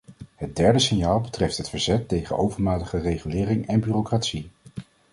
Het derde signaal betreft het verzet tegen overmatige regulering en bureaucratie.